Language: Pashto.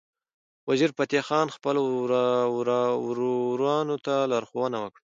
وزیرفتح خان خپل ورورانو ته لارښوونه وکړه.